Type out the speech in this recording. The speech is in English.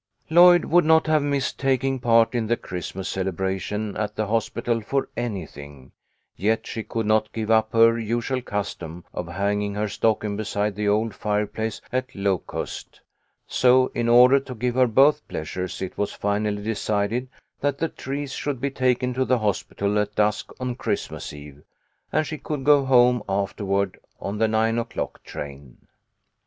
Lloyd would not have missed taking part in the Christmas celebration at the hospital for anything, yet she could not give up her usual custom of hang ing her stocking beside the old fireplace at Locust. So, in order to give her both pleasures, it was finally 220 THE LITTLE COLONEL'S HOLIDAYS. decided that the trees should be taken to the hos pital at dusk on Christmas eve, and she could go home afterward on the nine o'clock train.